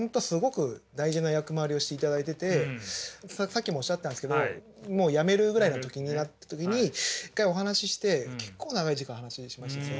でもさっきもおっしゃってたんですけどもう辞めるぐらいの時になった時に一回お話しして結構長い時間話しましたよね。